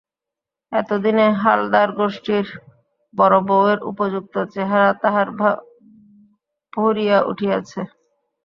এতদিনে হালদারগোষ্ঠীর বড়োবউয়ের উপযুক্ত চেহারা তাহার ভরিয়া উঠিয়াছে।